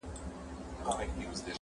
له نسیم سره زګېروئ د جانان راغی -